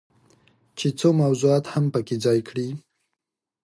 چې څو موضوعات هم پکې ځای کړي.